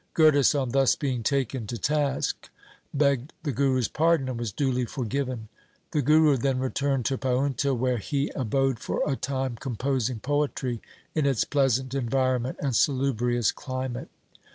Gurdas on thus being taken to task, begged the Guru's pardon, and was duly for given. The Guru then returned to Paunta where he 22 THE SIKH RELIGION abode for a time composing poetry in its pleasant environment and salubrious climate.